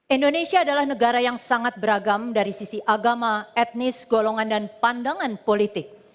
indonesia adalah negara yang sangat beragam dari sisi agama etnis golongan dan pandangan politik